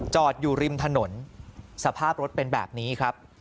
จอดอยู่ริมถนนสภาพรถเป็นแบบนี้ครับ